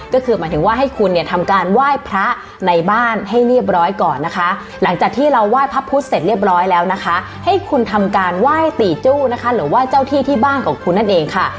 ก็คือหมายถึงว่าให้คุณเนี่ยทำการไหว้พระในบ้านให้เรียบร้อยก่อนนะคะหลังจากที่เราไหว้พระพุทธเสร็จเรียบร้อยแล้วนะคะให้คุณทำการไหว้ตีจู้นะคะหรือว่าเจ้าที่ที่บ้านของคุณนั่นเองค่ะ